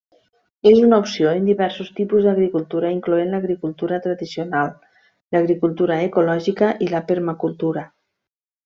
És una opció en diversos tipus d'agricultura incloent l'agricultura tradicional, l'agricultura ecològica i la permacultura.